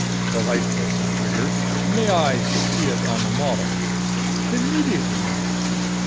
"Delightful," said Trigger. "May I see it on the model?" "Immediately, madam."